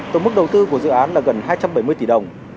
tổng mức đầu tư của dự án là gần hai trăm bảy mươi tỷ đồng